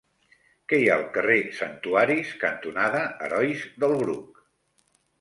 Què hi ha al carrer Santuaris cantonada Herois del Bruc?